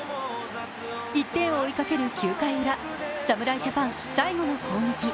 １点を追いかける９回ウラ侍ジャパン最後の攻撃。